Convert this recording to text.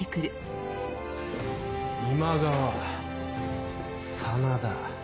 今川真田。